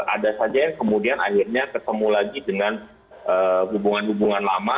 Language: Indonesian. ada saja yang kemudian akhirnya ketemu lagi dengan hubungan hubungan lama